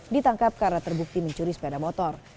ditangkap karena terbukti mencuri sepeda motor